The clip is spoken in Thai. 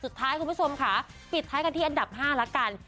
สุดท้ายคุณผู้ชมค่ะปิดท้ายกันที่อันดับ๕แล้วกัน